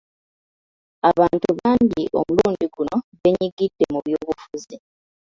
Abantu bangi omulundi guno beenyigidde mu by'obufuzi.